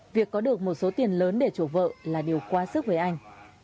việc có được một số tiền lớn để chủ vợ là điều quá sức với anh